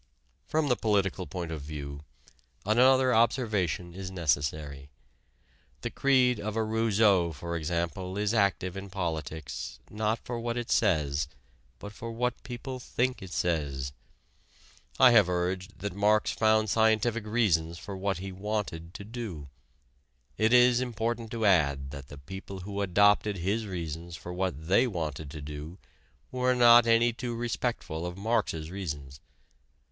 From the political point of view, another observation is necessary. The creed of a Rousseau, for example, is active in politics, not for what it says, but for what people think it says. I have urged that Marx found scientific reasons for what he wanted to do. It is important to add that the people who adopted his reasons for what they wanted to do were not any too respectful of Marx's reasons.